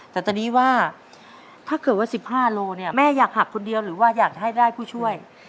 แต่ตอนนี้ว่าถ้าเกิดว่า๑๕โลเนี่ยแม่อยากหักคนเดียวหรือว่าอยากจะให้ได้ผู้ช่วย